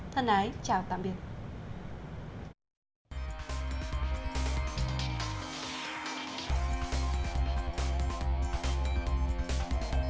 thân ái chào tạm biệt